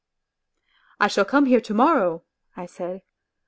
..." "I shall come here to morrow," I said.